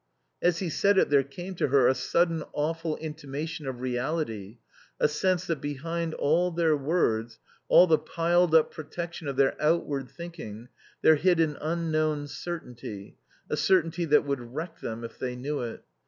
As he said it there came to her a sudden awful intimation of reality, a sense that behind all their words, all the piled up protection of their outward thinking, there hid an unknown certainty, a certainty that would wreck them if they knew it.